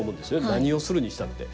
何をするにしたって。